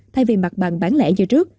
thay vì mặt bằng bán lẻ như trước